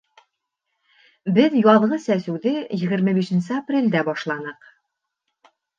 Беҙ яҙғы сәсеүҙе егерме бишенсе апрелдә башланыҡ.